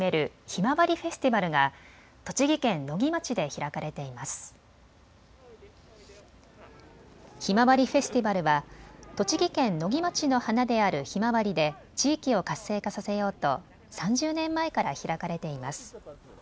ひまわりフェスティバルは栃木県野木町の花であるひまわりで地域を活性化させようと３０年前から開かれています。